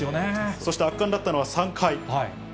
そして圧巻だったのは３回。